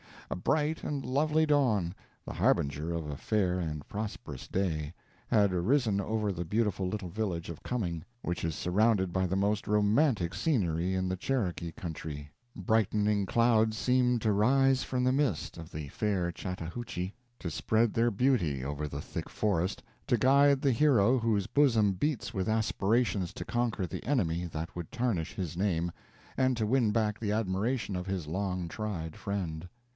A bright and lovely dawn, the harbinger of a fair and prosperous day, had arisen over the beautiful little village of Cumming, which is surrounded by the most romantic scenery in the Cherokee country. Brightening clouds seemed to rise from the mist of the fair Chattahoochee, to spread their beauty over the thick forest, to guide the hero whose bosom beats with aspirations to conquer the enemy that would tarnish his name, and to win back the admiration of his long tried friend.